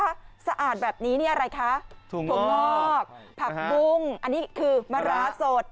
ถ้าสะอาดแบบนี้นี่อะไรคะถั่วงอกผักบุ้งอันนี้คือมะร้าสด